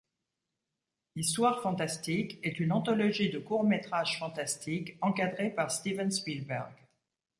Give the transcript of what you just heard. Histoires fantastiques est une anthologie de courts-métrages fantastiques encadrée par Steven Spielberg.